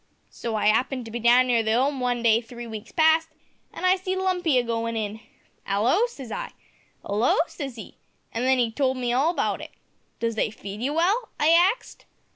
So I 'appened to be down near the 'Ome one day three weeks past, an' I see Lumpy a goin' in. `'Allo!' says I. `'Allo!' says 'e; an' then 'e told me all about it. `Does they feed you well?' I axed.